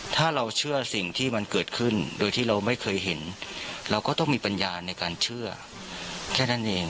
ถ้าเราเชื่อสิ่งที่มันเกิดขึ้นโดยที่เราไม่เคยเห็นเราก็ต้องมีปัญญาในการเชื่อแค่นั้นเอง